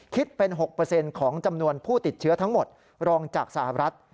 คิดเป็น๖ของจำนวนผู้ติดเชื้อทั้งหมดรองจากสหรัฐ